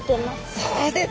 そうですね。